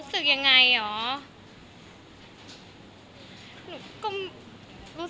สวัสดีครับ